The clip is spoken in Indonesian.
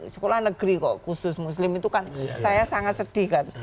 sekolah negeri kok khusus muslim itu kan saya sangat sedih kan